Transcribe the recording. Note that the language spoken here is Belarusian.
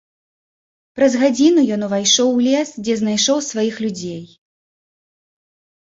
Праз гадзіну ён увайшоў у лес, дзе знайшоў сваіх людзей.